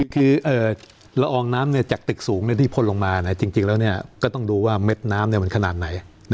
คือละอองน้ำจากตึกสูงที่พ่นลงมาจริงแล้วก็ต้องดูว่าเม็ดน้ำมันขนาดไหน